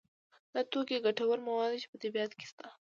دا توکي ګټور مواد دي چې په طبیعت کې شته.